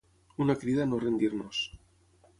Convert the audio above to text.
Una crida a no rendir-nos.